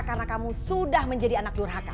karena kamu sudah menjadi anak durhaka